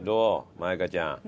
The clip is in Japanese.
舞香ちゃん。